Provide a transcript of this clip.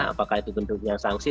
apakah itu bentuknya sanksi